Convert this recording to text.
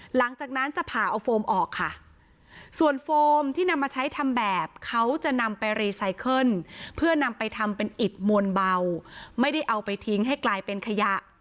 หลังจากนั้นจะผ่าเอาโฟมออกค่ะส่วนโฟมที่นำมาใช้ทำแบบเขาจะนำไปรีไซเคิลเพื่อนำไปทำเป็นอิดมวลเบาไม่ได้เอาไปทิ้งให้กลายเป็นขยะ